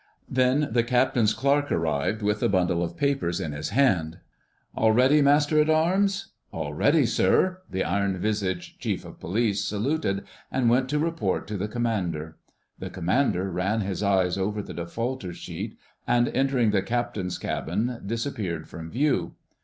Then the Captain's Clerk arrived with a bundle of papers in his hand. "All ready, Master at Arms?" "All ready, sir." The iron visaged Chief of Police saluted and went to report to the Commander. The Commander ran his eye over the defaulter sheet and, entering the Captain's cabin, disappeared from view.